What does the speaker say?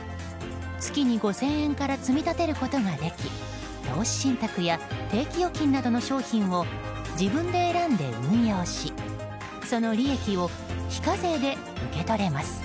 月に５０００円から積み立てることができ投資信託や定期預金などの商品を自分で選んで運用しその利益を非課税で受け取れます。